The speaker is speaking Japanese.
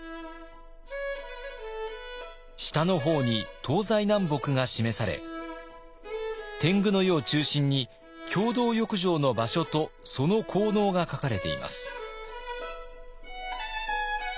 下の方に東西南北が示され天狗の湯を中心に共同浴場の場所とその効能が書かれています。